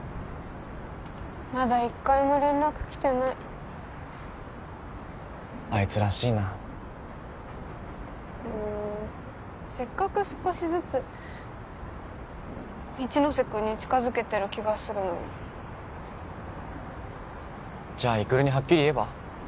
まだ一回も連絡来てないあいつらしいなうんせっかく少しずつ一ノ瀬君に近づけてる気がするのにじゃあ育にはっきり言えば？